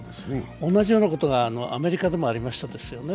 同じようなことがアメリカでもありましたよね。